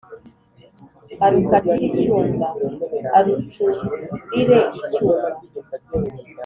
Arukatire icyuma: Arucurire icyuma.